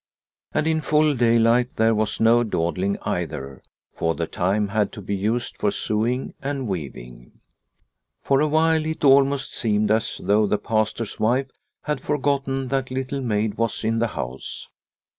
And in full daylight there was no dawdling either, for the time had to be used for sewing and weaving. For a while it almost seemed as though the Pastor's wife had forgotten that Little Maid was in the house.